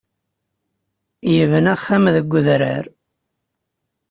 Yebna axxam deg udrar.